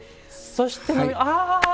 そしてあ！